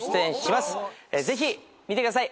ぜひ見てください。